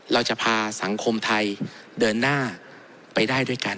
เราจะพาสังคมไทยเดินหน้าไปได้ด้วยกัน